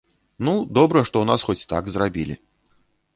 Ну, добра, што ў нас хоць так зрабілі.